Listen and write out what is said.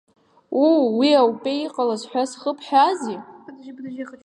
Уу, уи аупеи иҟалаз ҳәа зхыбҳәаазеи…